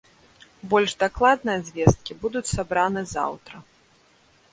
Больш дакладныя звесткі будуць сабраны заўтра.